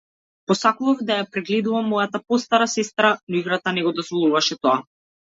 Посакував да ја прегледувам мојата постара сестра, но играта не го дозволуваше тоа.